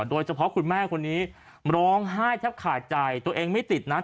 คุณแม่คนนี้ร้องไห้แทบขาดใจตัวเองไม่ติดนะ